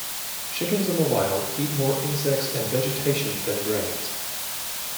Chickens in the wild eat more insects and vegetation than grains.